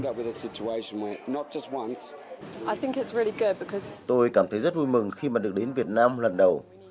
apeticas tôi cảm thấy rất vui mừng khi mà được đến việt nam lần đầu